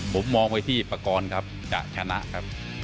ผมมองไปที่ปากรครับจะชนะครับ